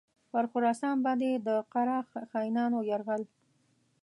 پر خراسان باندي د قره خانیانو یرغل.